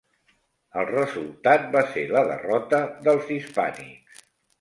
El resultat va ser la derrota dels hispànics.